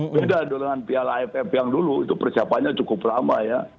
beda dengan piala aff yang dulu itu persiapannya cukup lama ya